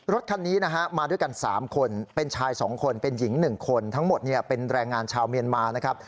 รถคันนี้นะฮะมาด้วยกัน๓คนเป็นชาย๒คนเป็นหญิง๑คนทั้งหมดเป็นแรงงานชาวเมียนมานะครับ